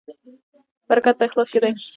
برکت په اخلاص کې دی